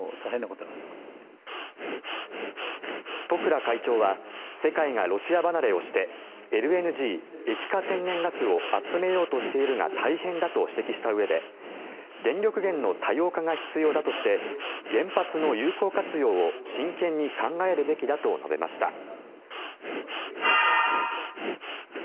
十倉会長は世界がロシア離れをしてＬＮＧ・液化天然ガスを集めようとしているが大変だと指摘したうえで電力源の多様化が必要だとして原発の有効活用を真剣に考えるべきだと述べました。